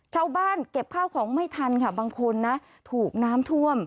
ชาวบ้านเก็บข้าวของไม่ทันค่ะบางคนนะถูกน้ำท่วม